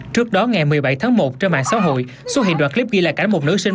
trước đó ngày một mươi bảy tháng một trên mạng xã hội xuất hiện đoạn clip ghi lại cảnh một nữ sinh